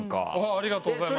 ありがとうございます。